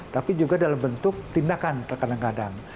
tapi juga dalam bentuk tindakan terkadang kadang